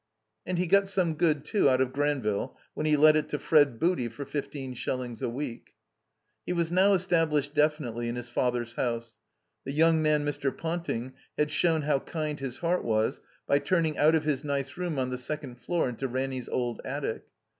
And he got some good, too, out of Granville when he let it to Fred Booty for fifteen shillings a week. He was now established definitely in his father's house. The young man Mr. Pouting had shown how kind his heart was by turning out of his nice room on the second floor into Ranny's old attic.